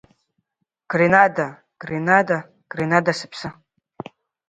Гренада, Гренада, Гренада сыԥсы!